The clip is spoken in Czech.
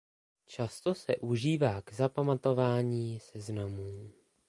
Často se užívá k zapamatování seznamů.